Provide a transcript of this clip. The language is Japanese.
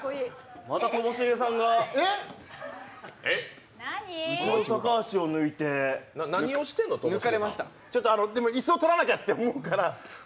またともしげさんがうちの高橋を抜いて椅子を取らなきゃと思うから。